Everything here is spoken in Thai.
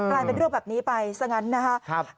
กลายเป็นรูปแบบนี้ไปซะงั้นนะฮะ